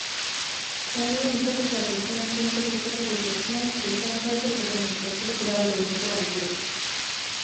この故に個物は絶対矛盾的自己同一、即ち絶対に対することによって、個物であるということができる。